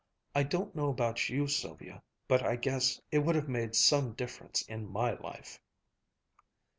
"I don't know about you, Sylvia, but I guess it would have made some difference in my life!"